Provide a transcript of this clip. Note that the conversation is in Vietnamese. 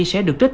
sẽ được trích